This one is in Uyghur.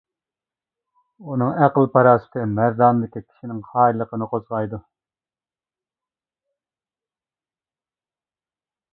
ئۇنىڭ ئەقىل-پاراسىتى، مەردانىلىكى كىشىنىڭ قايىللىقىنى قوزغايدۇ.